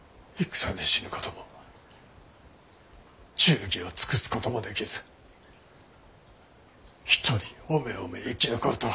戦で死ぬことも忠義を尽くすこともできず一人おめおめ生き残るとは。